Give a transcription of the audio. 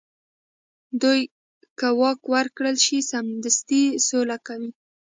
دوی که واک ورکړل شي، سمدستي سوله کوي.